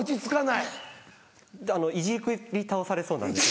いじくり倒されそうなんですよ。